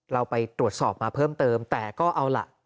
เราไปตรวจสอบมาเพิ่มเติมแต่ก็เอาล่ะ